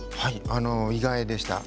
意外でした。